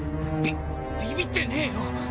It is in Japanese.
ビビビってねぇよ。